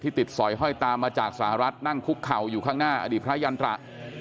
ติดสอยห้อยตามมาจากสหรัฐนั่งคุกเข่าอยู่ข้างหน้าอดีตพระยันตระ